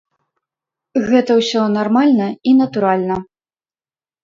Гэта ўсё нармальна і натуральна.